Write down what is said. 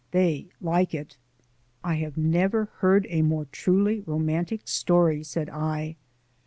They like it." "I have never heard a more truly romantic story," said I.